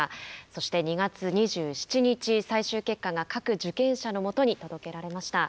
そして２月２７日最終結果が各受験者のもとに届けられました。